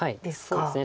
そうですね。